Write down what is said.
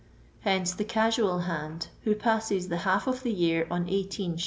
Hence the casual hand, who passes the half of the year on 1S«.